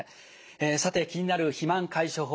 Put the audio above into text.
さて気になる肥満解消法